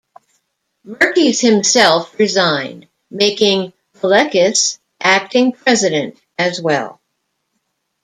Merkys himself resigned, making Paleckis acting president as well.